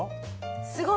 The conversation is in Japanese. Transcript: すごい。